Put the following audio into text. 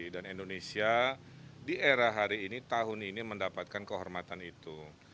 dan indonesia di era hari ini tahun ini mendapatkan kehormatan itu